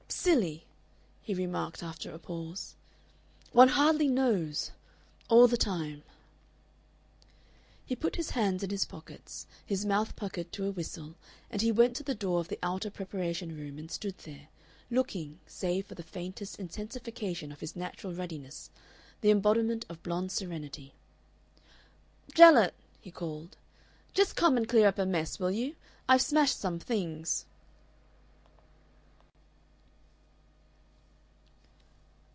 "Silly!" he remarked after a pause. "One hardly knows all the time." He put his hands in his pockets, his mouth puckered to a whistle, and he went to the door of the outer preparation room and stood there, looking, save for the faintest intensification of his natural ruddiness, the embodiment of blond serenity. "Gellett," he called, "just come and clear up a mess, will you? I've smashed some things."